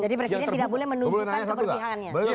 jadi presiden tidak boleh menunjukkan keperpihangannya